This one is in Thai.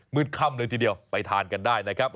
ค่ำเลยทีเดียวไปทานกันได้นะครับ